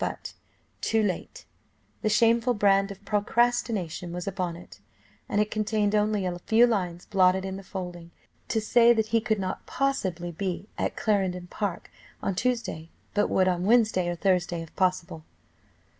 But "too late," the shameful brand of procrastination was upon it and it contained only a few lines blotted in the folding, to say that he could not possibly be at Clarendon Park on Tuesday, but would on Wednesday or Thursday if possible.